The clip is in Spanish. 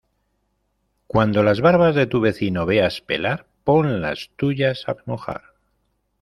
Cuando las barbas de tu vecino veas pelar, pon las tuyas a remojar.